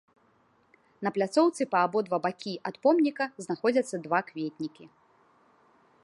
На пляцоўцы па абодва бакі ад помніка знаходзяцца два кветнікі.